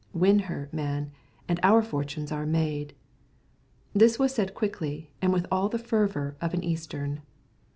Win her, man, and our fortunes are made." This was said quickly, and with all the fervour of an Eastern.